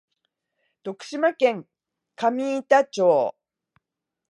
徳島県上板町